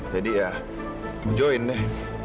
jadi ya join deh